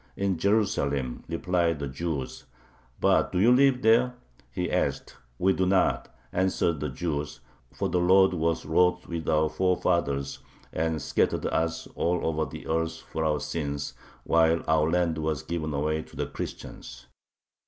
"In Jerusalem," replied the Jews. "But do you live there?" he asked. "We do not," answered the Jews, "for the Lord was wroth with our forefathers, and scattered us all over the earth for our sins, while our land was given away to the Christians."